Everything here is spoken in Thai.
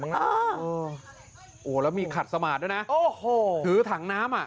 ยังไงนะโอ้โหแล้วมีขัดสมาดด้วยนะถือถังน้ำ